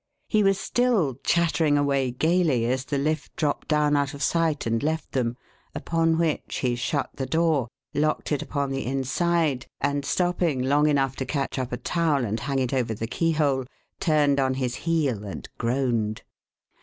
He was still chattering away gayly as the lift dropped down out of sight and left them, upon which he shut the door, locked it upon the inside, and stopping long enough to catch up a towel and hang it over the keyhole, turned on his heel and groaned.